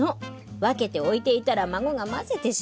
分けて置いていたら孫がまぜてしまって。